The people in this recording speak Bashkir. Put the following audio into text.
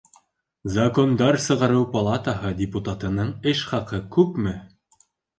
Закондар сығарыу палатаһы депутатының эш хаҡы күпме?